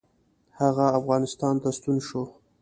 هغه افغانستان ته ستون شو.